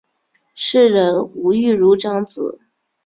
诗人吴玉如长子。